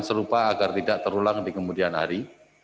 serupa agar tidak terulang di kemudian hari